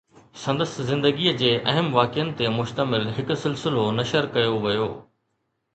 سندس زندگيءَ جي اهم واقعن تي مشتمل هڪ سلسلو نشر ڪيو ويو